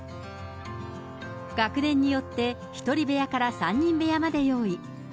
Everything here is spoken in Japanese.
学年によって１人部屋から３人部屋まで用意。